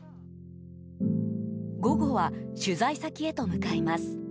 午後は、取材先へと向かいます。